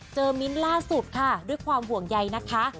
มิ้นท์ล่าสุดค่ะด้วยความห่วงใยนะคะ